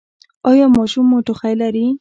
ایا ماشوم مو ټوخی لري؟